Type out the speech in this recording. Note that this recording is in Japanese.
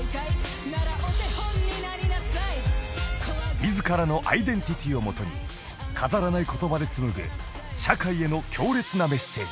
［自らのアイデンティティーをもとに飾らない言葉で紡ぐ社会への強烈なメッセージ］